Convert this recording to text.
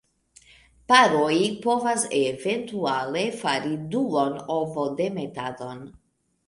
Paroj povas eventuale fari duan ovodemetadon.